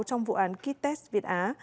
trong vụ án kites việt á